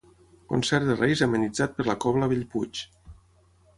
Concert de Reis amenitzat per la Cobla Bellpuig.